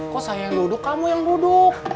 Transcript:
kok saya yang duduk kamu yang duduk